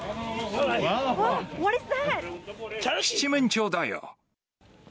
七面鳥だよ。